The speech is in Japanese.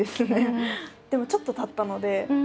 でもちょっとたったので。